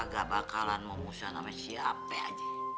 gak bakalan mau ngusahin sama siapa aja